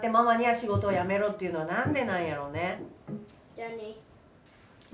じゃあね。